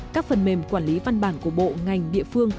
các phần mềm quản lý văn bản của bộ ngành địa phương